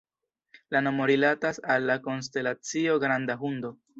La nomo rilatas al la konstelacio Granda Hundo.